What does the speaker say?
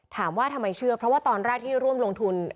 ถามว่าทำไมเชื่อเพราะว่าตอนแรกที่ร่วมลงทุน